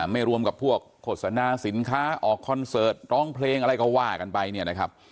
ไม่รวมกับพวกโฆษณาสินค้าออกคอนเสิร์ตร้องเพลงอะไรก็ว่ากันไปเนี่ยนะครับ